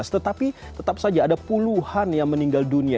tetapi tetap saja ada puluhan yang meninggal dunia